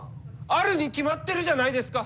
あるに決まってるじゃないですか！